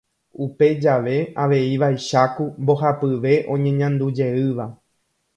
Upe jave avei vaicháku mbohapyve oñeñandujeýva.